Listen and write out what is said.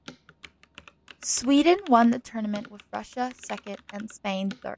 Sweden won the tournament with Russia second and Spain third.